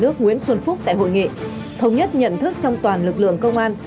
nước nguyễn xuân phúc tại hội nghị thống nhất nhận thức trong toàn lực lượng công an